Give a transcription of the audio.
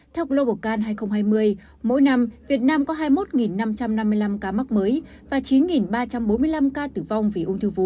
theo global can hai nghìn hai mươi mỗi năm việt nam có hai mươi một năm trăm năm mươi năm ca mắc mới và chín ba trăm bốn mươi năm ca tử vong vì ung thư vú